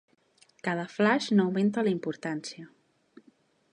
Cada flaix n'augmenta la importància.